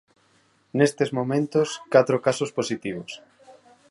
Nestes momentos catro casos positivos.